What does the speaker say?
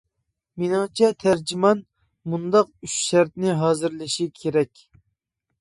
مېنىڭچە تەرجىمان مۇنداق ئۈچ شەرتنى ھازىرلىشى كېرەك.